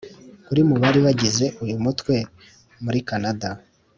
uri mu bari bagize uyu mutwe muri canada